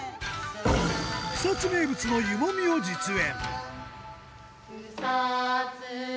草津名物の湯もみを実演。